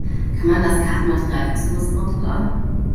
Kann man das Kartenmaterial kostenlos herunterladen?